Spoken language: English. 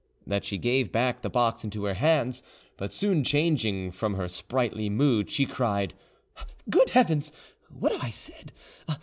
That she gave back the box into her hands, but soon changing from her sprightly mood, she cried, "Good heavens, what have I said?